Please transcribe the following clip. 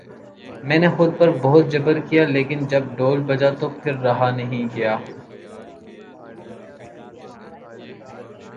میں نے خود پر بہت جبر کیا لیکن جب ڈھول بجا تو پھر رہا نہیں گیا